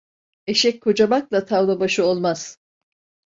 Eşek kocamakla tavla başı olmaz.